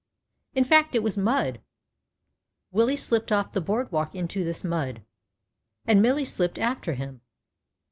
In fact it was mud. Willie slipped off the board walk into this mud, and Millie slipped after him.